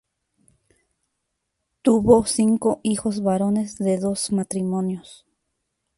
Tuvo cinco hijos varones de dos matrimonios.